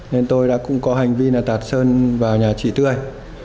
nên tôi đã cũng có hành vi tạc sơn vào nhà chị tươi